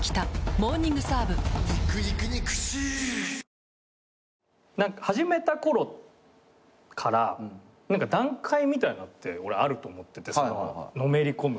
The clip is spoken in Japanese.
「珍味のおいしさ」始めた頃から段階みたいなのって俺あると思っててのめり込む。